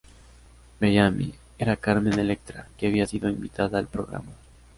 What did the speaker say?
Bellamy era Carmen Electra, que había sido invitada al programa.